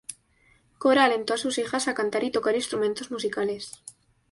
Cora alentó a sus hijas a cantar y tocar instrumentos musicales.